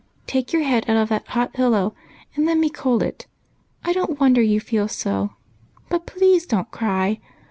Take your head out of that hot POOR MAC. 125 pillow, and let me cool it. I don't wonder you feel so, but plea&e don't cry.